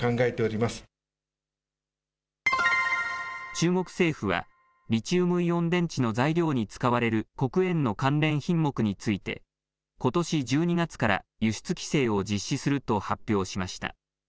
中国政府はリチウムイオン電池の材料に使われる黒鉛の関連品目についてことし１２月から輸出規制を実施すると発表しました。